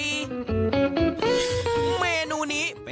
เมนูนี้เป็นเมนูปลาดุกระบอกไม้ไผ่